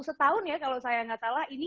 setahun ya kalau saya nggak salah ini